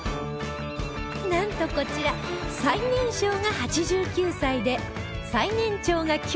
なんとこちら最年少が８９歳で最年長が９７歳